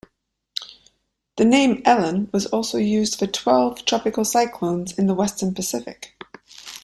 The name Ellen was also used for twelve tropical cyclones in the Western Pacific.